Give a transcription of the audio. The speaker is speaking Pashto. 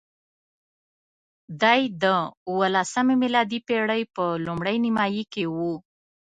دی د اوولسمې میلادي پېړۍ په لومړۍ نیمایي کې وو.